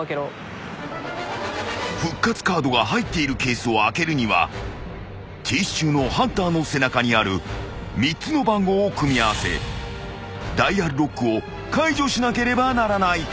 ［復活カードが入っているケースを開けるには停止中のハンターの背中にある３つの番号を組み合わせダイヤルロックを解除しなければならない］